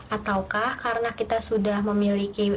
ataukah karena kita sudah memiliki